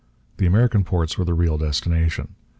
The American ports were the real destination.